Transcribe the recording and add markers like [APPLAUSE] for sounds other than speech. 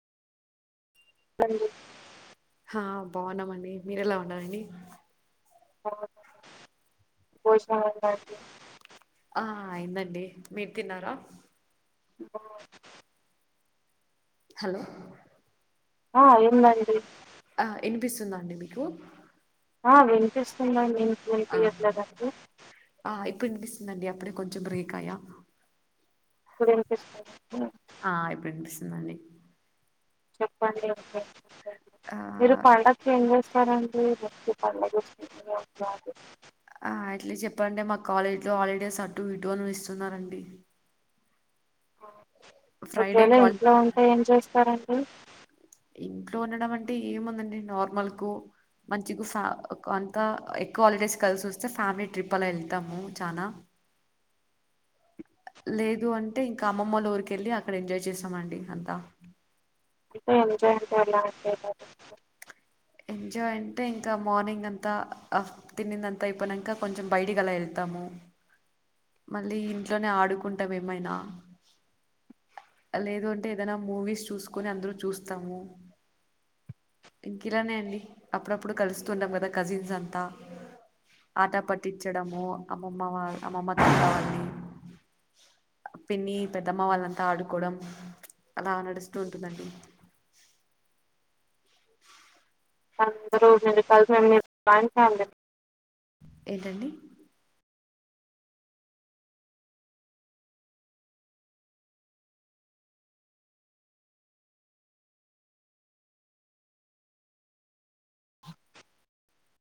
రండి హాబ్ బాగున్నామండి మీరెలా ఉండారండి ఓ భోజనం ఐందా అండీ ఆ అయిందండి మీరు తిన్నారా హలో ఆ ఏం దాగిరి అ ఇనిపిస్తుందా అండి మీకు అ వినిపిస్తోందండి ఆహా ఆ ఇప్పు నిస్ ఉందండి. అప్పుడే కొంచెం బేకాయ్య ఇప్పుడు వినిపిస్తుంది దాండి చెప్పండి ఆ మీరు పండక్కి ఇన్వెస్ట్ [UNINTELLIGIBLE] ఆ ఏట్లా చెప్పండి. మాకు కాలేజ్ లో హాలిడేస్ అటు ఇటు అని ఇస్తున్నారండి. ఆ ఫ్రైడే ఒకేళ కాలేజ్ ఇంట్లో ఉంటే ఏం చేస్తారండి. ఇంట్లో ఉండడం అంటే ఏముందండి నార్మల్ కు మంచిగ ఫ అంతా ఎక్కువ హాలిడేస్ కలిసి వస్తే ఫ్యామిలీ ట్రిప్ అలా వెళ్తాము. చనా లేదు అంటే ఇంకా అమ్మమ్మ లో ఊరికి వెళ్ళి అక్కడ ఎంజాయ్ చేస్తామండి అంతా అంటే ఎంజాయ్ అంటే ఎలా అంటే ఎంజాయి అంటే ఇంకా మార్నింగ్ అంతా ఆఫ్ తినింది. అంతా అయిపోయినాక కొంచెం బయటి ఆలా ఏళ్తాము. మళ్ళీ ఇంట్లోనే ఆడుకుంటాం. ఏమైనా లేదు అంటే ఏదైనా మూవీస్ చూసుకుని అందరం చూస్తాము. ఇంక ఇలానే అండి అప్పుడప్పుడు కలుస్తుంటాం కదా కజిన్స్ అంతా ఆట పట్టించడము అమ్మమ్మ వాళ్ళు అమ్మమ్మ కా పిన్ని పెద్దమ్మ వాళ్ళంతా ఆడుకోవడం అలా నడుస్తూ ఉంటుందండి. [UNINTELLIGIBLE] ఫ్యాన్ సౌండ్ ఏంటండి.